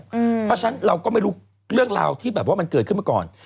เพราะฉะนั้นเราก็ไม่รู้เรื่องราวที่แบบว่ามันเกิดขึ้นมาก่อน